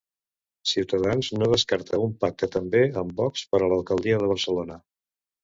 Cs no descarta un pacte també amb Vox per a l'alcaldia de Barcelona.